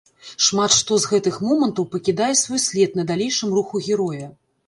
Шмат што з гэтых момантаў пакідае свой след на далейшым руху героя.